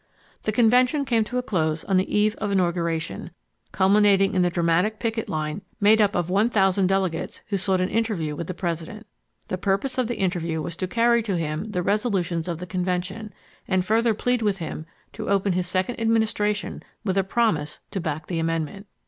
The convention came to a close on the eve of inauguration, culminating in the dramatic picket line made up of one thousand delegates who sought an interview with the President. The purpose of the interview was to carry to him the resolutions of the convention, and further plead with him to open his second administration with a promise to back the amendment.